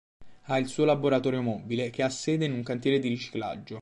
Ha il suo laboratorio mobile, che ha sede in un cantiere di riciclaggio.